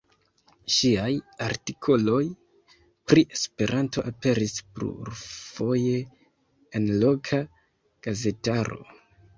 Ŝiaj artikoloj pri Esperanto aperis plurfoje en loka gazetaro.